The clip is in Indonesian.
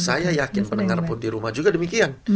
saya yakin pendengar pun di rumah juga demikian